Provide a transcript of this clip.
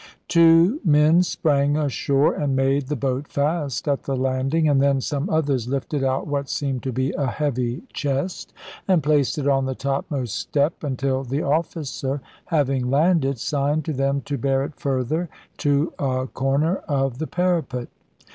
Two men sprang ashore and made the boat fast at the landing, and then some others lifted out what seemed to be a heavy chest, and placed it on the topmost step, until the officer, having landed, signed to them to bear it further to a corner of the parapet.